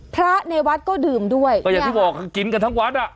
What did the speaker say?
พระในวัดก็ดื่มด้วยก็อย่างที่บอกกินกันทั้งวัดอ่ะ